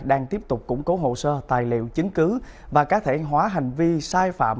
đang tiếp tục củng cố hồ sơ tài liệu chứng cứ và cá thể hóa hành vi sai phạm